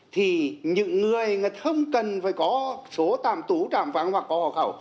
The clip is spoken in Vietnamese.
thì những người không cần phải có số tạm tú tạm vắng hoặc có hộ khẩu